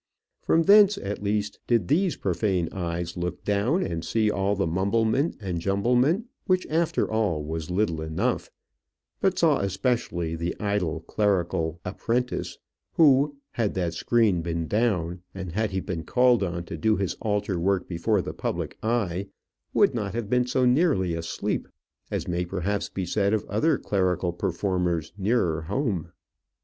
From thence at least did these profane eyes look down and see all the mumblement and jumblement, which after all was little enough; but saw especially the idle clerical apprentice who, had that screen been down, and had he been called on to do his altar work before the public eye, would not have been so nearly asleep, as may perhaps be said of other clerical performers nearer home.